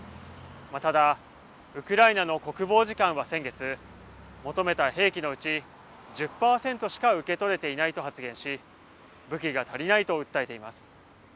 ただウクライナの国防次官は先月求めた兵器のうち１０％しか受け取れていないと発言し、武器が足りないと訴えています。